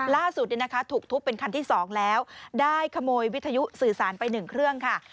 ล่าสุดถูกทุบเป็นคันที่๒แล้วได้ขโมยวิทยุสื่อสารไป๑เครื่องค่ะ